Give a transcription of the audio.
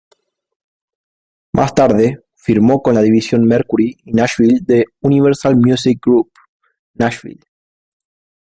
Más tarde, firmó con la división Mercury Nashville de Universal Music Group Nashville.